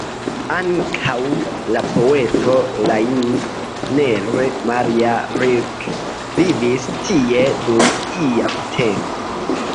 Ankaŭ la poeto Rainer Maria Rilke vivis tie dum ia tempo.